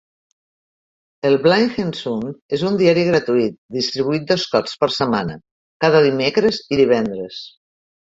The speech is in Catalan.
"El Blenheim Sun" és un diari gratuït distribuït dos cops per setmana, cada dimecres i divendres.